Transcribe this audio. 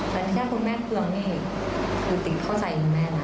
แต่ถ้าคุณแม่เคืองนี่คือติเข้าใจคุณแม่นะ